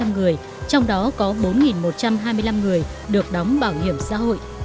một trăm linh người trong đó có bốn một trăm hai mươi năm người được đóng bảo hiểm xã hội